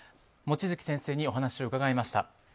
望月先生にお話を伺いました。